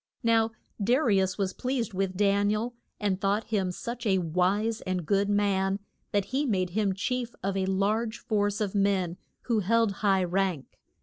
Now Da ri us was pleased with Dan i el, and thought him such a wise and good man that he made him chief of a large force of men who held high rank.